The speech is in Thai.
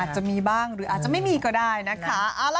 จะมีบ้างหรืออาจจะไม่มีก็ได้นะคะ